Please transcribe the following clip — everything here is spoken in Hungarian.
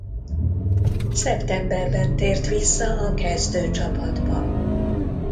Szeptemberben tért vissza a kezdőcsapatba.